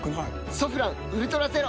「ソフランウルトラゼロ」